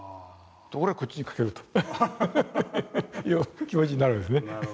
俺はこっちにかけるという気持ちになるわけですね。